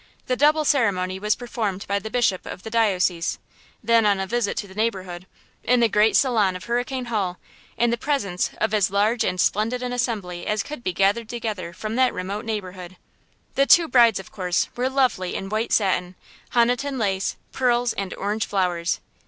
The double ceremony was performed by the bishop of the diocese (then on a visit to the neighborhood) in the great salon of Hurricane Hall, in the presence of as large and splendid an assembly as could be gathered together from that remote neighborhood. The two brides, of course, were lovely in white satin, Honiton lace, pearls and orange flowers.